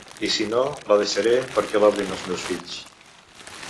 I si no la deixaré perquè l’obrin els meus fills.